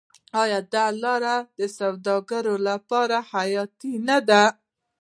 آیا دا لاره د سوداګرۍ لپاره حیاتي نه ده؟